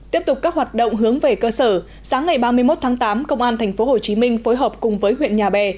tiếp tục các hoạt động hướng về cơ sở sáng ngày ba mươi một tháng tám công an tp hcm phối hợp cùng với huyện nhà bè